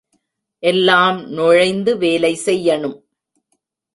எல்லாம் நுழைந்து வேலை செய்யனும்.